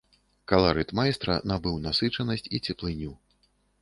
Каларыт майстра набыў насычанасць і цеплыню.